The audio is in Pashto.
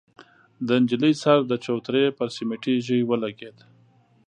د نجلۍ سر د چوترې پر سميټي ژۍ ولګېد.